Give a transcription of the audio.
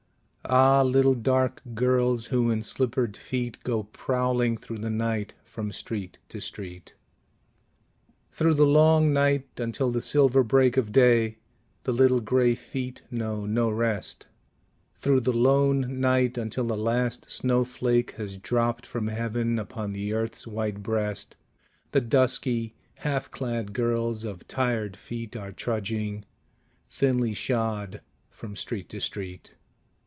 Ah, little dark girls who in slippered feet Go prowling through the night from street to street! Through the long night until the silver break Of day the little gray feet know no rest; Through the lone night until the last snow flake Has dropped from heaven upon the earth's white breast, The dusky, half clad girls of tired feet Are trudging, thinly shod, from street to street.